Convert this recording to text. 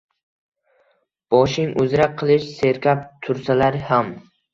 Boshing uzra qilich serkab tursalar ham!!!